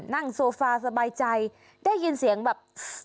นั่งโซฟาสบายใจได้ยินเสียงแบบ